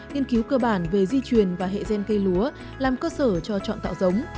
nghiên cứu cơ bản về di truyền và hệ gen cây lúa làm cơ sở cho chọn tạo giống